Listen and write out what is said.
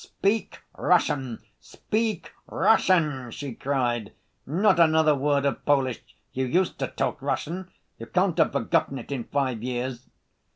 "Speak Russian! Speak Russian!" she cried, "not another word of Polish! You used to talk Russian. You can't have forgotten it in five years."